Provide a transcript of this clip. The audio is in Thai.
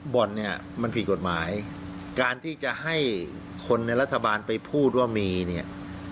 บ่อนเนี่ยมันผิดกฎหมายการที่จะให้คนในรัฐบาลไปพูดว่ามีเนี่ย